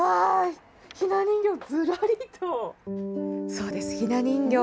そうです、ひな人形。